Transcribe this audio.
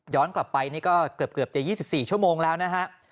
กลับไปนี่ก็เกือบจะ๒๔ชั่วโมงแล้วนะฮะ